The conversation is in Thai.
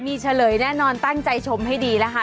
มีเฉลยแน่นอนตั้งใจชมให้ดีนะคะ